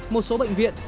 một số bệnh viện